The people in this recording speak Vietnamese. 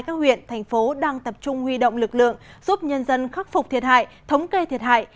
các huyện thành phố đang tập trung huy động lực lượng giúp nhân dân khắc phục thiệt hại thống kê thiệt hại